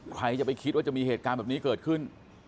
ใครจะไปคิดว่าจะมีเหตุการณ์แบบนี้เกิดขึ้น